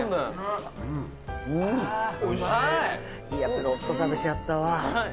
ペロッと食べちゃったわ。